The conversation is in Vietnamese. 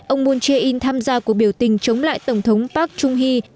ông moon jae in tham gia cuộc biểu tình chống lại tổng thống park chung hee